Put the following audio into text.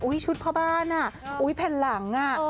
อุ๊ยชุดเพ้าบ้านมาอุ๊ยแผ่นหลัง